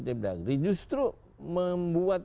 depd agri justru membuat